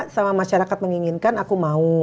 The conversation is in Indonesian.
sama masyarakat menginginkan aku mau